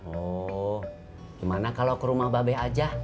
oh gimana kalau ke rumah babe aja